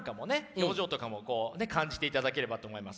表情とかも感じていただければと思います。